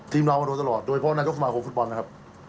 เรามาโดยตลอดโดยเฉพาะนายกสมาคมฟุตบอลนะครับ